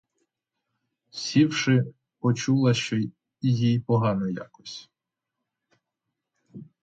Сівши, почула, що їй погано якось.